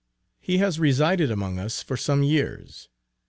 He has resided among us for some years.